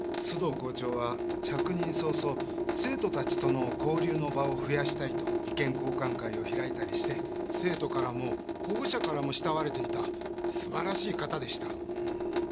須藤校長は着任早々生徒たちとの交流の場を増やしたいと意見交換会を開いたりして生徒からも保護者からも慕われていた素晴らしい方でした。